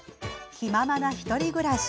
気ままな１人暮らし。